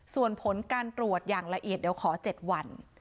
ส่วนผลการตรวจอย่างละเอียดเดี๋ยวขอ๗วัน